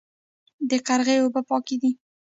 د قرغې اوبه پاکې دي